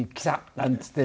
なんつって。